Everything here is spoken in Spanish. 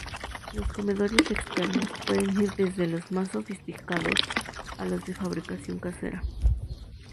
Los comederos externos pueden ir desde los más sofisticados a los de fabricación casera.